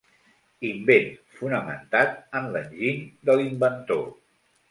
Invent fonamentat en l'enginy de l'inventor.